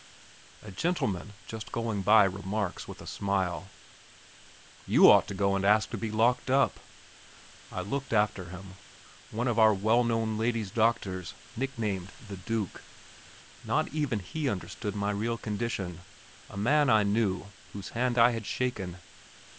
A gentleman just going by remarks, with a smile, "You ought to go and ask to be locked up." I looked after him. One of our well known lady's doctors, nicknamed "The Duke." Not even he understood my real condition a man I knew; whose hand I had shaken.